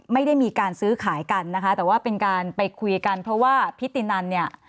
ไม่ได้มีการซื้อขายกันนะคะแต่ว่าเป็นการไปคุยกันเพราะว่าพิตินันเนี่ย